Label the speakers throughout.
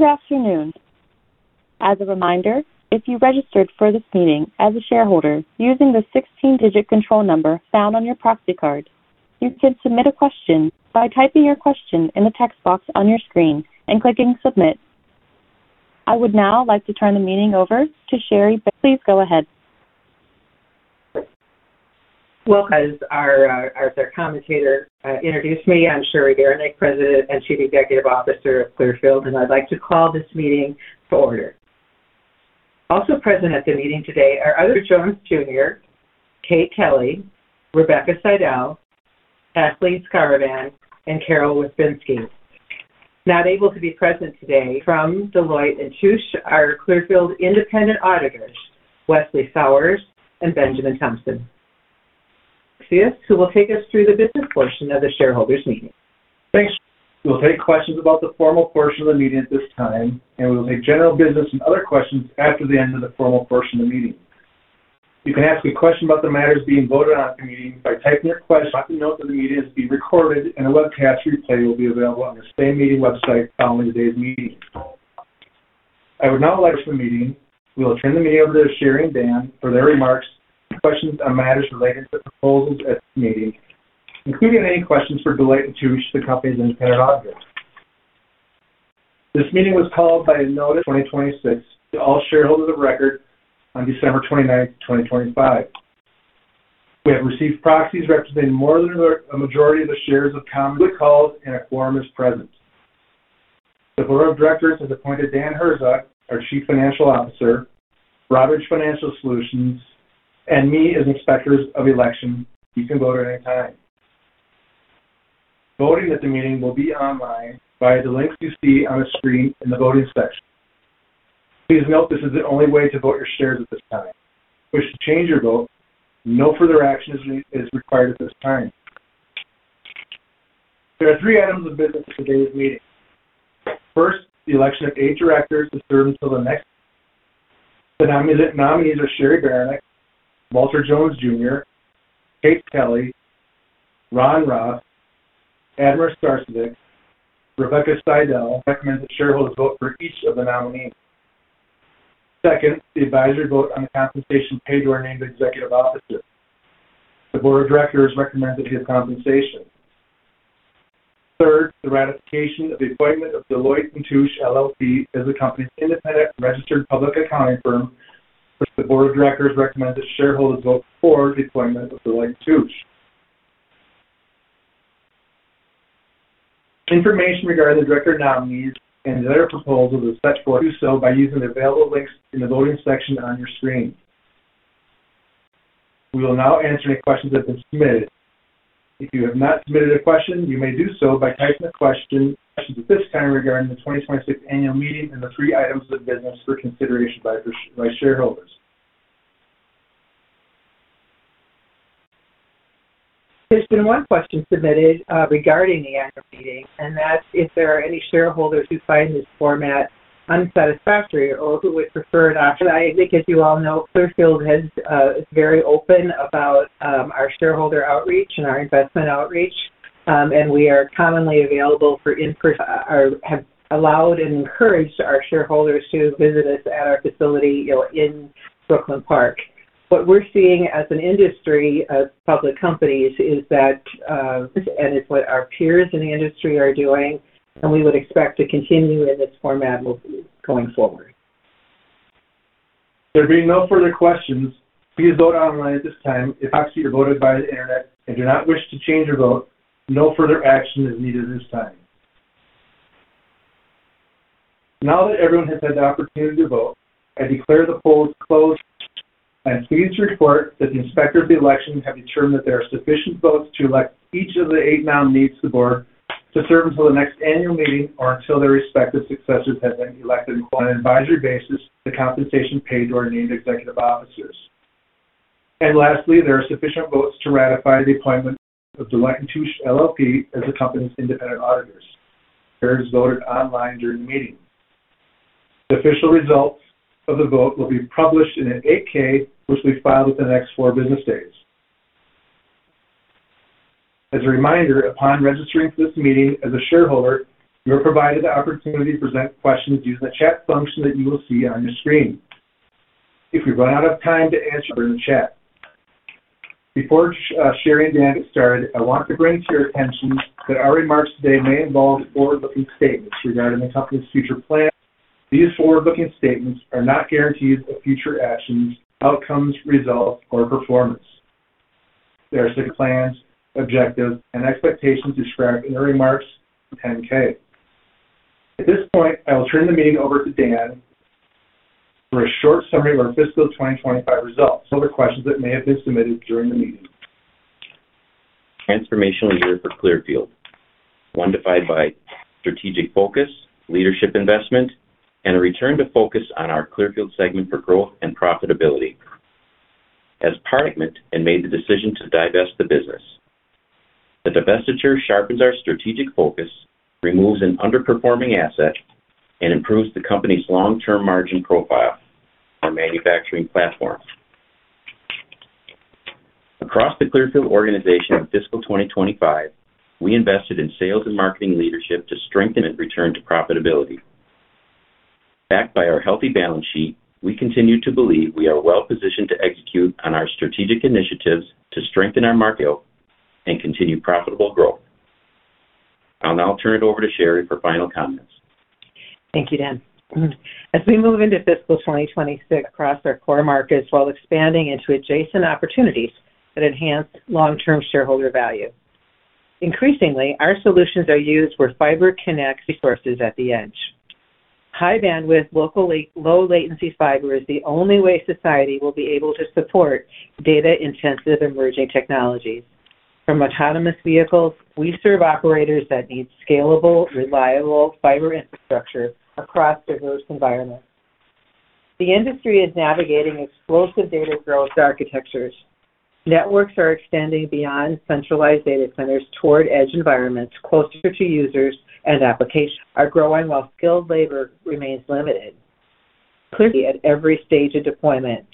Speaker 1: Good afternoon. As a reminder, if you registered for this meeting as a shareholder using the 16-digit control number found on your proxy card, you can submit a question by typing your question in the text box on your screen and clicking Submit. I would now like to turn the meeting over to Cheri. Please go ahead.
Speaker 2: Well, as our commentator, introduced me, I'm Cheri Beranek, President and Chief Executive Officer of Clearfield, and I'd like to call this meeting to order. Also present at the meeting today are Walter Jones, Jr., Kate Kelly, Rebecca Seidel, Kathleen Skarvan, and Carol Wirsbinski. Not able to be present today from Deloitte & Touche, are Clearfield independent auditors, Wesley Fowers and Benjamin Thompson. Who will take us through the business portion of the shareholders meeting.
Speaker 3: Thanks. We will take questions about the formal portion of the meeting at this time, and we will take general business and other questions after the end of the formal portion of the meeting. You can ask a question about the matters being voted on at the meeting by typing your question. Note that the meeting is being recorded, and a webcast replay will be available on the same meeting website following today's meeting. I would now like the meeting. We will turn the meeting over to Cheri and Dan for their remarks and questions on matters related to the proposals at the meeting, including any questions for Deloitte & Touche, the company's independent auditor. This meeting was called by a notice 2026 to all shareholders of record on December 29th, 2025. We have received proxies representing more than a majority of the shares of common calls. A quorum is present. The board of directors has appointed Dan Herzog, our Chief Financial Officer, Broadridge Financial Solutions, and me as inspectors of election. You can vote at any time. Voting at the meeting will be online via the links you see on the screen in the voting section. Please note this is the only way to vote your shares at this time. Wish to change your vote? No further action is required at this time. There are three items of business at today's meeting. First, the election of eight directors to serve until the next. The nominees are Cheri Beranek, Walter Jones, Jr., Kate Kelly, Ronald G. Roth, Ademir Sarcevic, Rebecca Seidel. Recommend that shareholders vote for each of the nominees. Second, the advisory vote on the compensation paid to our named executive officers. The board of directors recommend that we give compensation. Third, the ratification of the appointment of Deloitte & Touche LLP as the company's independent registered public accounting firm. The board of directors recommend that shareholders vote for the appointment of Deloitte & Touche. Information regarding the director nominees and other proposals as such for do so by using the available links in the voting section on your screen. We will now answer any questions that have been submitted. If you have not submitted a question, you may do so by typing a question. Questions at this time regarding the 2026 annual meeting and the three items of business for consideration by shareholders.
Speaker 2: There's been one question submitted regarding the annual meeting, and that's if there are any shareholders who find this format unsatisfactory or who would prefer not to. I think, as you all know, Clearfield has is very open about our shareholder outreach and our investment outreach, and we are commonly available for in-person or have allowed and encouraged our shareholders to visit us at our facility, you know, in Brooklyn Park. What we're seeing as an industry of public companies is that, and it's what our peers in the industry are doing, and we would expect to continue in this format going forward.
Speaker 3: There being no further questions, please vote online at this time. If after you voted by the Internet and do not wish to change your vote, no further action is needed at this time. Now that everyone has had the opportunity to vote, I declare the polls closed. I'm pleased to report that the inspector of the elections have determined that there are sufficient votes to elect each of the eight nominees to the board to serve until the next annual meeting or until their respective successors have been elected on an advisory basis, the compensation paid to our named executive officers. Lastly, there are sufficient votes to ratify the appointment of Deloitte & Touche LLP as the company's independent auditors. There is voted online during the meeting. The official results of the vote will be published in an 8-K, which will be filed within the next four business days. Upon registering for this meeting as a shareholder, you are provided the opportunity to present questions using the chat function that you will see on your screen. If we run out of time to answer in the chat. Before Cheri and Dan get started, I want to bring to your attention that our remarks today may involve forward-looking statements regarding the company's future plans. These forward-looking statements are not guarantees of future actions, outcomes, results, or performance. They are plans, objectives, and expectations described in the remarks, 10-K. At this point, I will turn the meeting over to Dan for a short summary of our fiscal 2025 results. Other questions that may have been submitted during the meeting.
Speaker 4: Transformational year for Clearfield, one defined by strategic focus, leadership, investment, and a return to focus on our Clearfield segment for growth and profitability. Made the decision to divest the business. The divestiture sharpens our strategic focus, removes an underperforming asset, and improves the company's long-term margin profile for manufacturing platforms. Across the Clearfield organization in fiscal 2025, we invested in sales and marketing leadership to strengthen and return to profitability. Backed by our healthy balance sheet, we continue to believe we are well-positioned to execute on our strategic initiatives to strengthen our market and continue profitable growth. I'll now turn it over to Cheri for final comments.
Speaker 2: Thank you, Dan. We move into fiscal 2026 across our core markets, while expanding into adjacent opportunities that enhance long-term shareholder value. Increasingly, our solutions are used where fiber connects resources at the edge. High bandwidth, locally low latency fiber is the only way society will be able to support data-intensive emerging technologies. From autonomous vehicles, we serve operators that need scalable, reliable fiber infrastructure across diverse environments. The industry is navigating explosive data growth architectures. Networks are extending beyond centralized data centers toward edge environments closer to users. Applications are growing while skilled labor remains limited. Clearly, at every stage of deployment,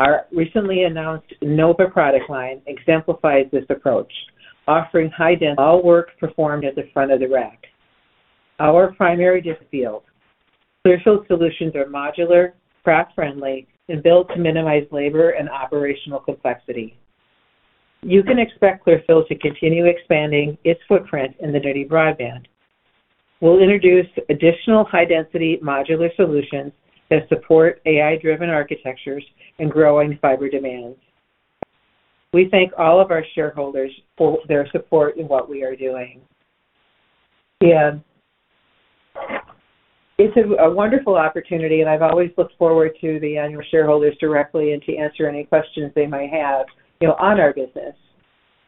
Speaker 2: our recently announced NOVA product line exemplifies this approach, offering high-density, all work performed at the front of the rack. Our primary field, Clearfield solutions, are modular, craft-friendly, and built to minimize labor and operational complexity. You can expect Clearfield to continue expanding its footprint in the [dirty] broadband. We'll introduce additional high-density modular solutions that support AI-driven architectures and growing fiber demands. We thank all of our shareholders for their support in what we are doing. This is a wonderful opportunity. I've always looked forward to the annual shareholders directly and to answer any questions they might have, you know, on our business.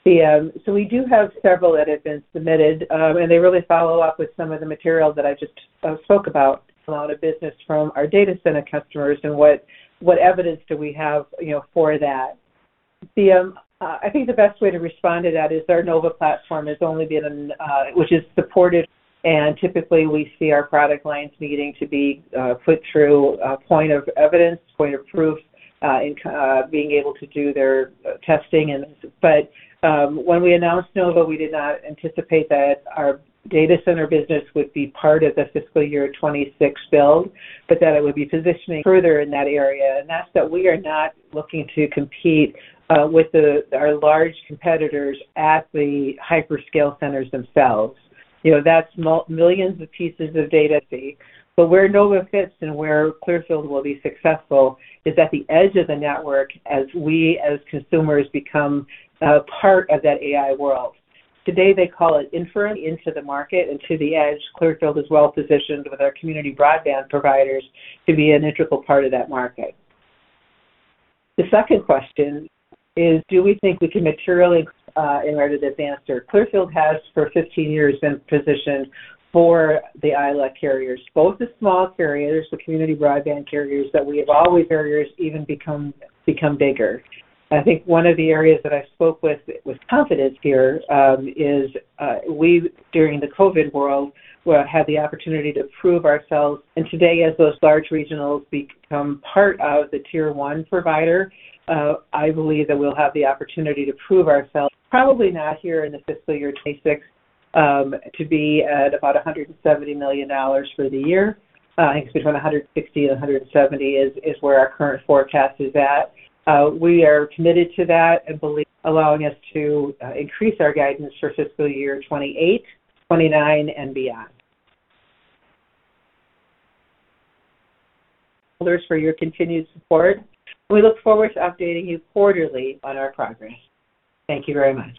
Speaker 2: We do have several that have been submitted. They really follow up with some of the material that I just spoke about. A lot of business from our data center customers. What evidence do we have, you know, for that? The, I think the best way to respond to that is our NOVA platform has only been, which is supported, and typically, we see our product lines needing to be put through a point of evidence, point of proof, in being able to do their testing. When we announced NOVA, we did not anticipate that our data center business would be part of the fiscal year 2026 build, but that it would be positioning further in that area. That's that we are not looking to compete with the, our large competitors at the hyperscale centers themselves. You know, that's millions of pieces of data. Where NOVA fits and where Clearfield will be successful is at the edge of the network as we, as consumers, become part of that AI world. Today, they call it infill into the market and to the edge. Clearfield is well positioned with our community broadband providers to be an integral part of that market. The second question is, do we think we can materially, in order to advance our Clearfield has, for 15 years, been positioned for the ILEC carriers, both the small carriers, the community broadband carriers, that we have always carriers even become bigger. I think one of the areas that I spoke with confidence here, is we, during the COVID world, had the opportunity to prove ourselves, and today, as those large regionals become part of the Tier 1 provider, I believe that we'll have the opportunity to prove ourselves. Probably not here in the fiscal year 2026, to be at about $170 million for the year. I think between $160 and $170 is where our current forecast is at. We are committed to that and believe allowing us to increase our guidance for fiscal year 2028, 2029 and beyond. Thank you, shareholders, for your continued support. We look forward to updating you quarterly on our progress. Thank you very much.